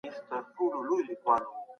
هغه د خپلو ځواکونو لارښوونه په دقیق ډول کوله.